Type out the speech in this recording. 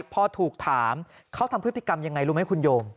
พอถูกถามเขาทำพฤติกรรมยังไงรู้ไหมคุณโยม